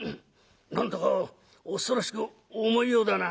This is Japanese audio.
何だか恐ろしく重いようだな」。